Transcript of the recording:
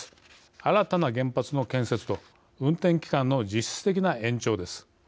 新たな原発の建設と運転期間の実質的な延長です。